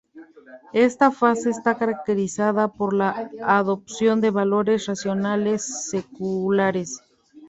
Esta fase está caracterizada por la adopción de valores racionales-seculares.